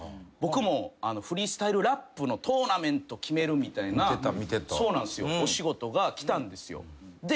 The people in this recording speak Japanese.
僕もフリースタイルラップのトーナメント決めるみたいなお仕事が来たんですよ。